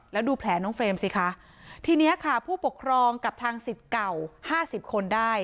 แล้วดูแผลน้องเฟรมสิคะทีนี้ค่ะผู้ปกครองกับทางสิทธิ์เก่าห้าสิบคนได้